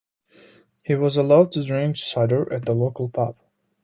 He was allowed to drink cider at the local pub.